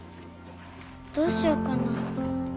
どうしようかな。